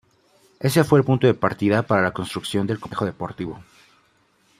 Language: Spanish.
Ese fue el punto de partida para la construcción del complejo deportivo.